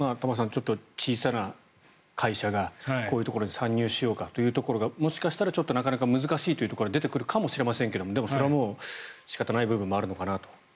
ちょっと小さな会社がこういうところに参入しようかというところがもしかしたらちょっとなかなか難しいというところが出てくるかもしれませんがでも、それは仕方ない部分もあるのかなと。